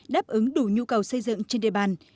đáp ứng đủ nhu cầu xây dựng trên địa bàn